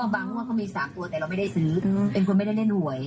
ฟังแล้วก็เหนื่อย